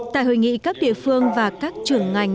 tại hội nghị các địa phương và các trưởng ngành